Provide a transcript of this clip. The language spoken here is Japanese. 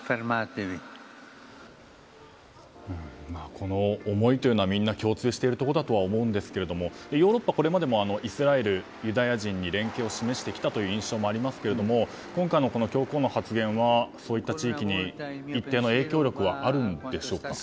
この思いはみんな共通しているところだとは思うんですがヨーロッパはこれまでもイスラエル、ユダヤ人に連携を示してきたという印象もありますが今回の教皇の発言はそういった地域に一定の影響力はあるんでしょうか？